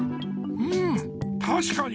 うんたしかに！